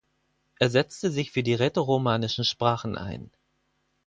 Er setzte sich für die rätoromanische Sprachen ein.